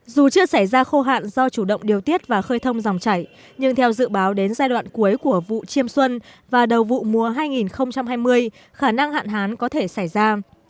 dù chưa xảy ra khô hạn do chủ động điều tiết và khơi thông dòng chảy nhưng theo dự báo đến giai đoạn cuối của vụ chiêm xuân và đầu vụ mùa hai nghìn hai mươi khả năng hạn hán có thể xảy ra